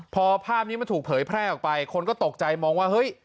พอภาพนี้มันถูกเผยแพร่ออกไปคนก็ตกใจมองว่าเฮ้ย